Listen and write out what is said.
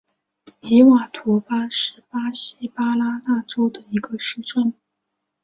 伊瓦图巴是巴西巴拉那州的一个市镇。